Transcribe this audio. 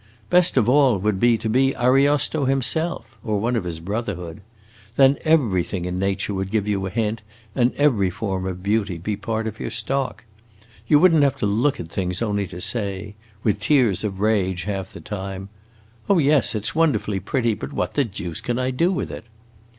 Best of all would be to be Ariosto himself, or one of his brotherhood. Then everything in nature would give you a hint, and every form of beauty be part of your stock. You would n't have to look at things only to say, with tears of rage half the time, 'Oh, yes, it 's wonderfully pretty, but what the deuce can I do with it?